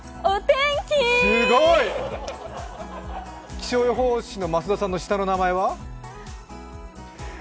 すごい！気象予報士の増田さんの下の名前は？。